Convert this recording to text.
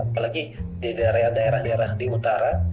apalagi di daerah daerah di utara